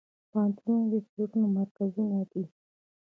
پوهنتونونه د څیړنو مرکزونه دي.